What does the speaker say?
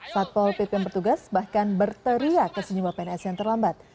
saat paul pippen bertugas bahkan berteriak kesenyumah pns yang terlambat